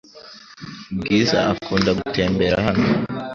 Bwiza akunda gutembera hano .